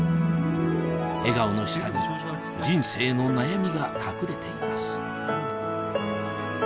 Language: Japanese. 笑顔の下に人生の悩みが隠れています